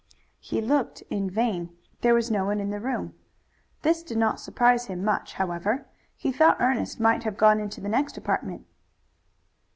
He looked in vain. There was no one in the room. This did not surprise him much, however. He thought Ernest might have gone into the next apartment.